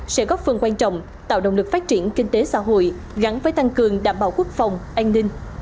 sẽ góp phần quan trọng tạo động lực phát triển kinh tế xã hội gắn với tăng cường đảm bảo quốc phòng an ninh